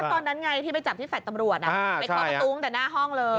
ตอนนั้นไงที่ไปจับที่แฟลต์ตำรวจไปเคาะประตูตั้งแต่หน้าห้องเลย